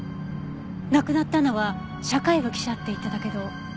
亡くなったのは社会部記者って言ってたけど。